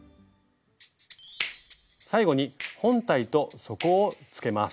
最後に本体と底をつけます。